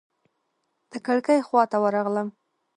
د کړکۍ خواته ورغلم.